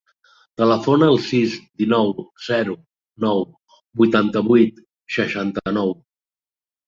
Telefona al sis, dinou, zero, nou, vuitanta-vuit, seixanta-nou.